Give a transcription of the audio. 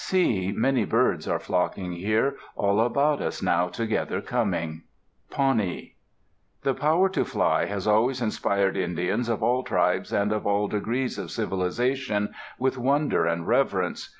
See, many birds are flocking here, All about us now together coming. [Pawnee] The power to fly has always inspired Indians of all tribes and of all degrees of civilization with wonder and reverence.